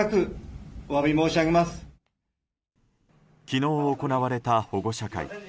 昨日行われた保護者会。